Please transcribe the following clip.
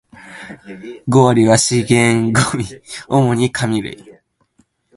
五割は資源ゴミ、主に紙類